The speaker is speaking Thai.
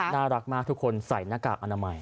น่ารักมากทุกคนใส่หน้ากากอนามัย